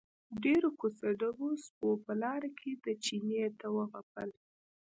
ډېرو کوڅه ډبو سپو په لاره کې دې چیني ته وغپل.